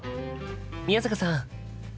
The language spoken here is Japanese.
宮坂さん。